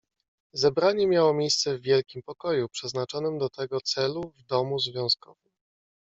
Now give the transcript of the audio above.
"Zebranie miało miejsce w wielkim pokoju, przeznaczonym do tego celu w Domu Związkowym."